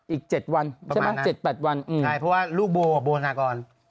อีก๗วันใช่ป่ะ๗๘วันประมาณนั้นใช่เพราะว่าลูกโบโบนากร